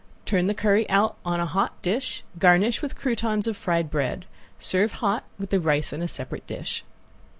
Turn the curry out on a hot dish, garnish with croutons of fried bread. Serve hot, with the rice in separate dish.